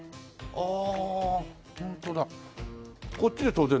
ああ！